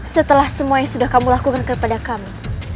setelah semua yang sudah kamu lakukan kepada kami